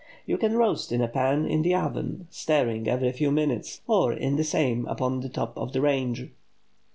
You can roast in a pan in the oven, stirring every few minutes, or in the same upon the top of the range.